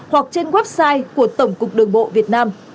hoặc trên website của tổng cục đường bộ việt nam